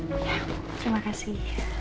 ya terima kasih